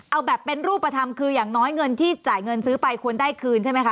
เอาแบบเป็นรูปธรรมคืออย่างน้อยเงินที่จ่ายเงินซื้อไปควรได้คืนใช่ไหมคะ